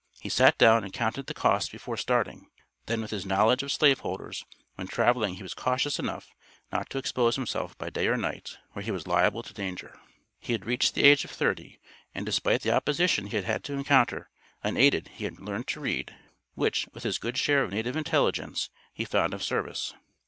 He sat down and counted the cost before starting; then with his knowledge of slaveholders when traveling he was cautious enough not to expose himself by day or night where he was liable to danger. He had reached the age of thirty, and despite the opposition he had had to encounter, unaided he had learned to read, which with his good share of native intelligence, he found of service.